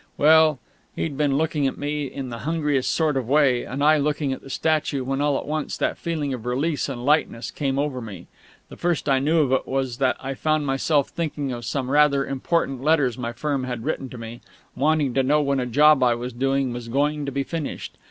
Well, he'd been looking at me in the hungriest sort of way, and I looking at the statue, when all at once that feeling of release and lightness came over me. The first I knew of it was that I found myself thinking of some rather important letters my firm had written to me, wanting to know when a job I was doing was going to be finished.